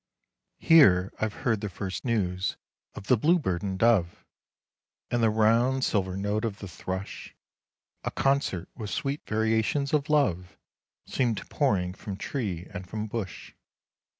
Here, I've heard the first news of the blue bird and dove, And the round, silver note of the thrush, A concert, with sweet variations of love, Seemed pouring from tree and from bush.